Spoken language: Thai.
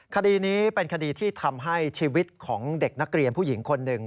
คดีนี้เป็นคดีที่ทำให้ชีวิตของเด็กนักเรียนผู้หญิงคนหนึ่ง